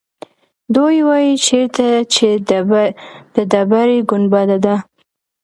دوی وایيچېرته چې د ډبرې ګنبده ده.